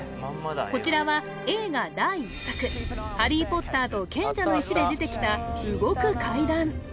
こちらは映画第１作「ハリー・ポッターと賢者の石」で出てきた動く階段